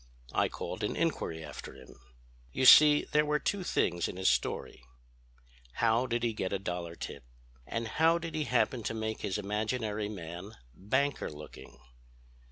I called an inquiry after him... You see there were two things in his story: How did he get a dollar tip, and how did he happen to make his imaginary man banker looking?